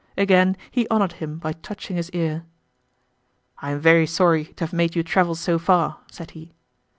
Again he honored him by touching his ear. "I am very sorry to have made you travel so far," said he.